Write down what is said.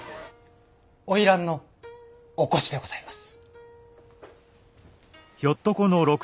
花魁のお越しでございます。